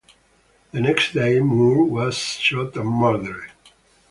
The next day, Moore, was shot and murdered.